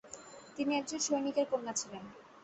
তিনি একজন সৈনিকের কন্যা ছিলেন।